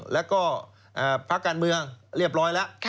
แล้วก็พักการเมืองเรียบร้อยแล้ว